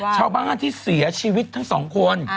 ชาวบ้านที่เสียชีวิตทั้งสองคน